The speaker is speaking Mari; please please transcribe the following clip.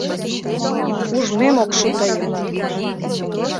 — Ужмем ок шу тыйым!..